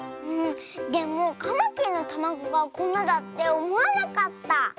でもカマキリのたまごがこんなだっておもわなかった。